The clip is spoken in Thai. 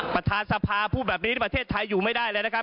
ประธานสภาพูดแบบนี้ประเทศไทยอยู่ไม่ได้เลยนะครับ